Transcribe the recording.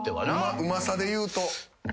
うまさでいうと。